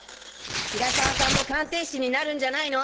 平沢さんも鑑定士になるんじゃないの！